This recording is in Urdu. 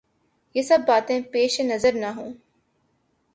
یہ سب باتیں پیش نظر نہ ہوں۔